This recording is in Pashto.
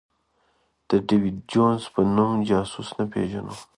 د ډېویډ جونز په نوم جاسوس نه پېژنو.